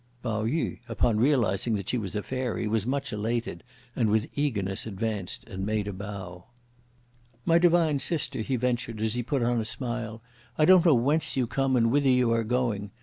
Pao yü, upon realising that she was a fairy, was much elated; and with eagerness advanced and made a bow. "My divine sister," he ventured, as he put on a smile. "I don't know whence you come, and whither you are going.